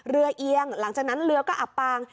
เอียงหลังจากนั้นเรือก็อับปาง